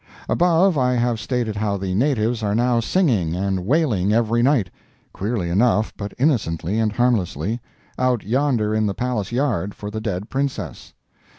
Above I have stated how the natives are now singing and wailing every night—queerly enough, but innocently and harmlessly—out yonder in the palace yard, for the dead Princess.